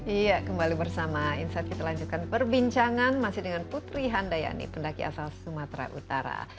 iya kembali bersama insight kita lanjutkan perbincangan masih dengan putri handayani pendaki asal sumatera utara